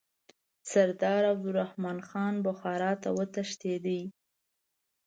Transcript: سردار عبدالرحمن خان بخارا ته وتښتېدی.